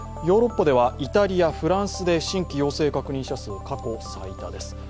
ヨーロッパではイタリア、フランスで新規陽性確認者数が過去最多です。